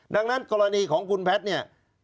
ดังนั้นกรณีของคุณแพทย์เนี่ย